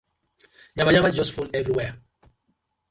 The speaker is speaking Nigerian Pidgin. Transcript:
Yamayama just full everywhere.